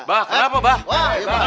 bah kenapa bah